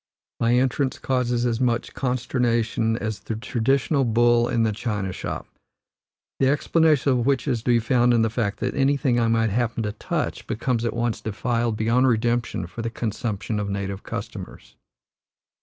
My entrance causes as much consternation as the traditional bull in the china shop, the explanation of which is to be found in the fact that anything I might happen to touch becomes at once defiled beyond redemption for the consumption of native customers.